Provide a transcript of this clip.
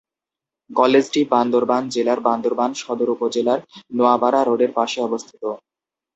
কলেজটি বান্দরবান জেলার বান্দরবান সদর উপজেলার নোয়াপাড়া রোডের পাশে অবস্থিত।